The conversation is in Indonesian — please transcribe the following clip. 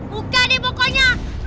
buka deh pokoknya